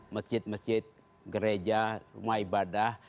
masjid masjid gereja rumah ibadah